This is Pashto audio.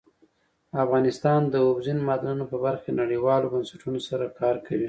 افغانستان د اوبزین معدنونه په برخه کې نړیوالو بنسټونو سره کار کوي.